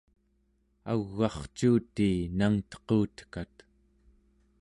au͡g'arcuutii nangtequtekat